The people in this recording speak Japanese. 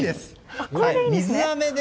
水あめで。